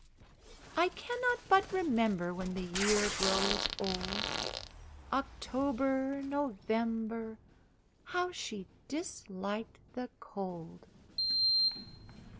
I cannot but remember When the year grows old October November How she disliked the cold!